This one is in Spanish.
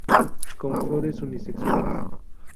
Con flores unisexuales.